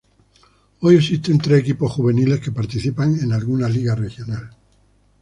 Hoy día existen tres equipos juveniles que participan en alguna liga regional.